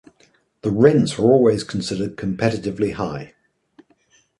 The rents were always considered competitively high.